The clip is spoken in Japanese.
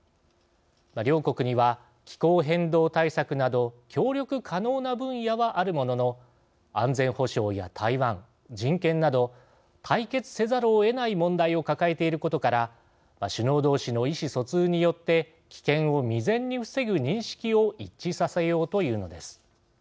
両国には、気候変動対策など協力可能な分野はあるものの安全保障や台湾、人権など対決せざるをえない問題を抱えていることから首脳同士の意思疎通によって危険を未然に防ぐ認識を一致させようと言うのです。